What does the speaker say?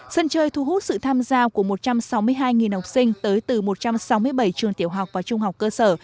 sân chơi thu hút sự tham gia của một trăm sáu mươi hai học sinh tới từ một trăm sáu mươi bảy trường tiểu học và trung học cơ sở